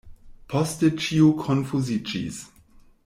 Poste ĉio konfuziĝis.